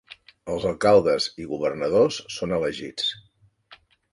Els alcaldes i governadors són elegits.